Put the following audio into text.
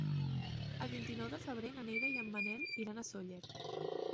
El vint-i-nou de febrer na Neida i en Manel iran a Sóller.